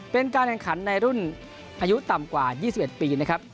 เป็นการแข่งขันในรุ่นอายุต่ำกว่า๒๑ปีนะครับ